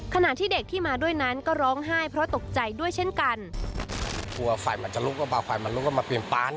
ขณะที่เด็กที่มาด้วยนั้นก็ร้องไห้เพราะตกใจด้วยเช่นกัน